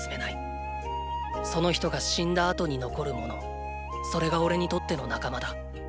その人が死んだ後に残るものそれがおれにとっての“仲間”だ。